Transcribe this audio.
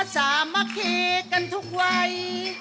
สามัคคีกันทุกวัย